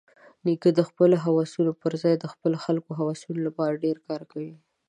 نیکه د خپلو هوسونو پرځای د خپلو خلکو د هوسونو لپاره ډېر کار کوي.